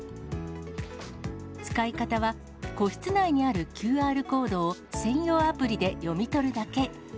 使い方は、個室内にあるＱＲコードを専用アプリで読み取るだけ。